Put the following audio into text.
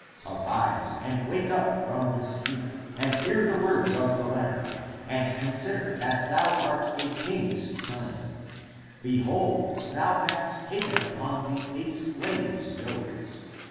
Arise and wake up from the sleep And hear the words of the letter And consider that thou art a king's son. < Behold, > thou hast taken upon thee a slave's yoke!